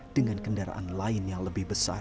dengan kendaraan lain yang lebih besar